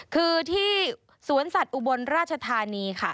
คือที่สวนสัตว์อุบลราชธานีค่ะ